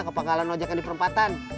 kepakalan ojekan di perempatan